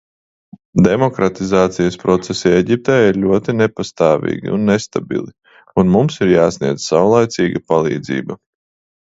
Demokratizācijas procesi Ēģiptē ir ļoti nepastāvīgi un nestabili, un mums ir jāsniedz savlaicīga palīdzība.